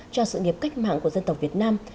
cho sự nghiệp cách mạng của dân tộc việt nam